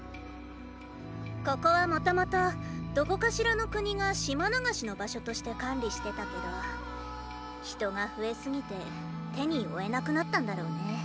ここは元々どこかしらの国が島流しの場所として管理してたけど人が増えすぎて手に負えなくなったんだろうね。